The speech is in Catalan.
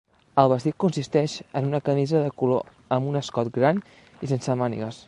El vestit consisteix en una camisa de color amb un escot gran i sense mànigues.